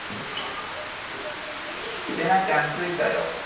せなちゃん着いたよ。